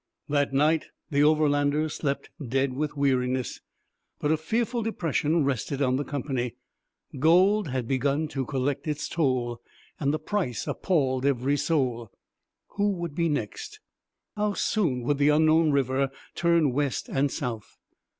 That night the Overlanders slept dead with weariness; but a fearful depression rested on the company. Gold had begun to collect its toll, and the price appalled every soul. Who would be the next? How soon would the unknown river turn west and south?